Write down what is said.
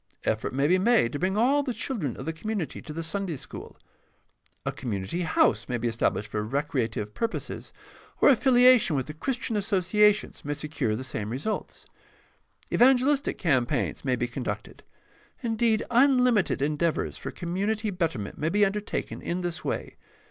Effort may be made to bring all the children of the community to the Sunday school. A community house may be established for recreative purposes, or affiliation with the Christian Associa tions may secure the same results. Evangelistic campaigns may be conducted. Indeed, unlimited endeavors for com munity betterment may be undertaken in this way.